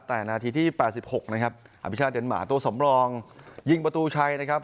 แต่นาทีที่๘๖นะครับอภิชาติเดนหมาตัวสำรองยิงประตูชัยนะครับ